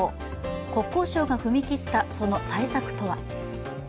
国交省が踏み切った、その対策とは？